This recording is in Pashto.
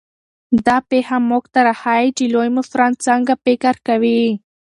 دا پېښه موږ ته راښيي چې لوی مشران څنګه فکر کوي.